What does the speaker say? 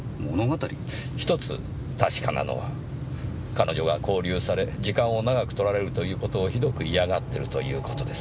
１つ確かなのは彼女が勾留され時間を長く取られるという事をひどく嫌がってるという事です。